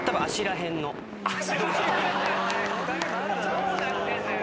どうなってんだよ！